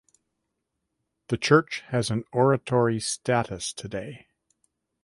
This church has an oratory status today.